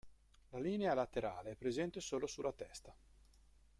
La linea laterale è presente solo sulla testa.